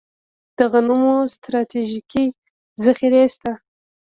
د غنمو ستراتیژیکې ذخیرې شته